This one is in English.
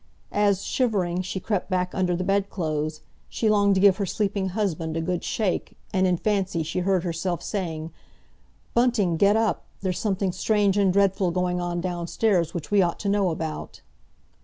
As, shivering, she crept back under the bedclothes, she longed to give her sleeping husband a good shake, and in fancy she heard herself saying, "Bunting, get up! There's something strange and dreadful going on downstairs which we ought to know about."